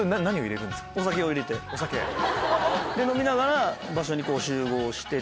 飲みながら場所に集合して。